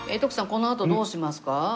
このあとどうしますか？